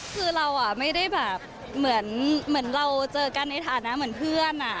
คือเราไม่ได้แบบเหมือนเราเจอกันในฐานะเหมือนเพื่อน